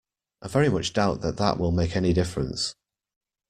I very much doubt that that will make any difference.